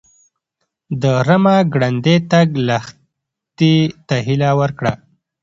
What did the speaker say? د رمه ګړندی تګ لښتې ته هیله ورکړه.